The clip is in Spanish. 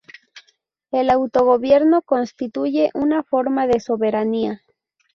El autogobierno constituye una forma de soberanía.